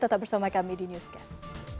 tetap bersama kami di newscast